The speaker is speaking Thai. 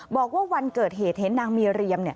บอกว่าวันเกิดเหตุเห็นนางเมียเรียม